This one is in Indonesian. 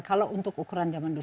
kalau untuk ukuran zaman dulu